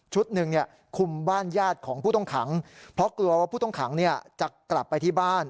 หนึ่งคุมบ้านญาติของผู้ต้องขังเพราะกลัวว่าผู้ต้องขังจะกลับไปที่บ้าน